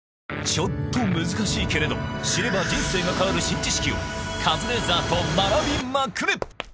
ちょっと難しいけれど知れば人生が変わる新知識をカズレーザーと学びまくれ！